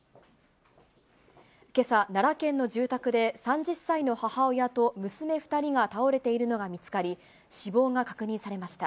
けさ、奈良県の住宅で、３０歳の母親と娘２人が倒れているのが見つかり、死亡が確認されました。